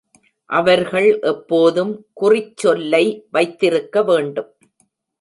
அவர்கள் எப்போதும் குறிச்சொல்லை வைத்திருக்க வேண்டும்.